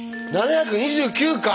７２９か。